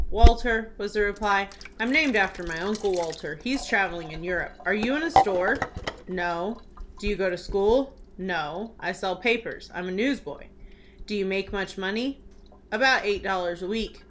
"Walter," was the reply. "I'm named after my Uncle Walter. He's travelling in Europe. Are you in a store?" "No." "Do you go to school?" "No, I sell papers. I'm a newsboy." "Do you make much money?" "About eight dollars a week."